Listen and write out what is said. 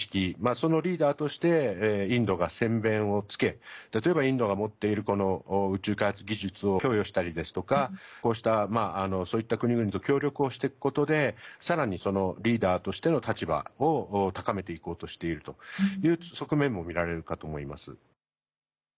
そのリーダーとしてインドが先べんをつけ例えば、インドが持っているこの宇宙開発技術を供与したりですとかこうした、そういった国々と協力していくことでさらにリーダーとしての立場を高めていこうとしているという側面も見られるかと思います。